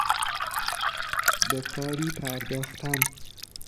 به کاری پرداختن